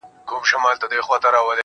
د زړه جيب كي يې ساتم انځورونه ،گلابونه.